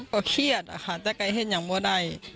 ก็เครียดอ่ะค่ะแต่ใกล้เห็นยังว่าใด